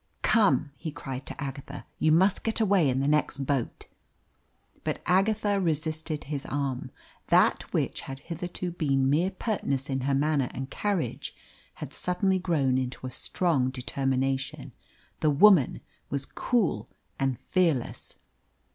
"Come," he cried to Agatha, "you must get away in the next boat." But Agatha resisted his arm. That which had hitherto been mere pertness in her manner and carriage had suddenly grown into a strong determination. The woman was cool and fearless.